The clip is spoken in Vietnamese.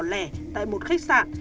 vì bỏ lẻ tại một khách sạn